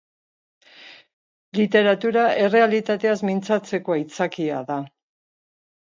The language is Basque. Literatura errealitateaz mintzatzeko aitzakia da.